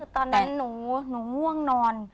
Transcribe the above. ตอนนั้นหนูง่วงนอน